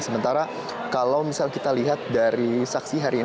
sementara kalau misal kita lihat dari saksi hari ini